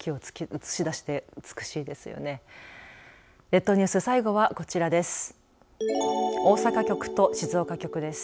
列島ニュース、最後はこちらです。